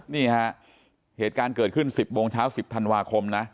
นี่ฮะเหตุการณ์เกิดขึ้น๑๐โมงเช้า๑๐ธันวาคมนะ